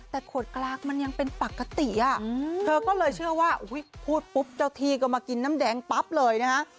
แต่ขวดกลางมันยังเป็นปกติอ่ะเธอก็เลยเชื่อว่าพูดปุ๊บเจ้าที่ก็มากินน้ำแดงปั๊บเลยนะฮะ